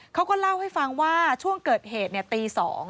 เขาก็เล่าให้ฟังว่าช่วงเกิดเหตุตี๒